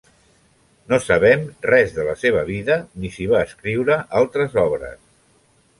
No sabem res de la seva vida ni si va escriure altres obres.